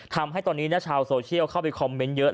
ทำให้ตอนนี้ชาวโซเชียลเข้าไปคอมเมนต์เยอะ